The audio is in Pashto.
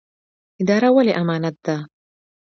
اداره ولې امانت ده؟